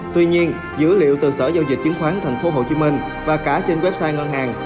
tuy nhiên dữ liệu từ sở giao dịch chứng khoán tp hcm và cả trên website ngân hàng